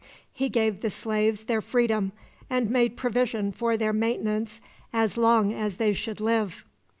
He gave the slaves their freedom, and made provision for their maintenance as long as they should live.